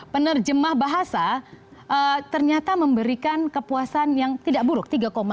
penerjemah bahasa ternyata memberikan kepuasan yang tidak buruk tiga lima puluh